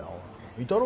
いたろ？